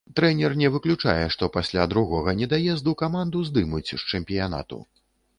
Трэнер не выключае, што пасля другога недаезду каманду здымуць з чэмпіянату.